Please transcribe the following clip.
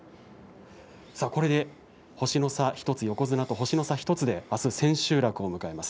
これで星の差１つ横綱と星の差１つであす千秋楽を迎えます。